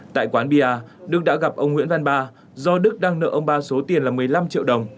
tại quán bia đức đã gặp ông nguyễn văn ba do đức đang nợ ông ba số tiền là một mươi năm triệu đồng